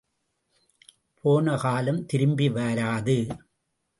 போனகாலம் திரும்பி வராது!